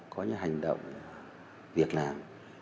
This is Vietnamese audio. có những hành động việt nam